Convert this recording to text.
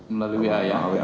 melalui wa ya